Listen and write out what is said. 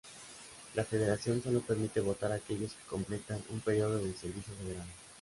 La Federación sólo permite votar a aquellos que completan un período de Servicio Federal.